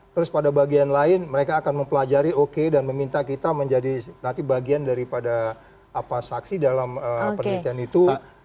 terus pada bagian lain mereka akan mempelajari oke dan meminta kita menjadi nanti bagian daripada saksi dalam penelitian itu